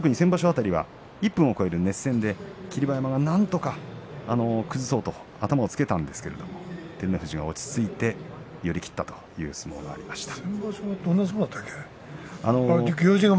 辺りは１分を超える熱戦で霧馬山はなんとか崩そうと頭をつけたんですが照ノ富士が落ち着いて寄り切ったという相撲がありました。